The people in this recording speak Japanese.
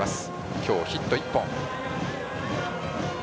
今日、ヒット１本。